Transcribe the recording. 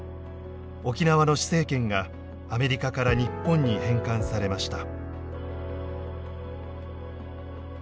沖縄の施政権がアメリカから日本に返還されました。